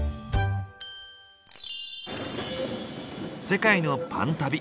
世界のパン旅